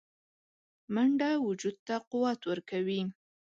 منډه وجود ته قوت ورکوي